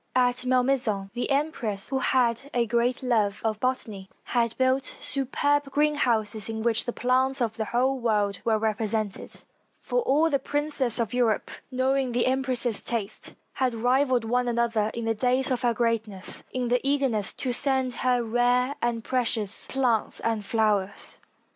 At Malmaison the empress, who had a great love of botany, had built superb greenhouses in which the plants of the whole world were represented; for all the princes of Europe, knowing the empress' taste, had rivaled one another in the days of her greatness in their eagerness 355 FRANCE to send her rare and precious plants and flowers.